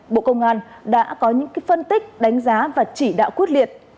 bộ công an đã có những phân tích đánh giá và chỉ đạo quyết liệt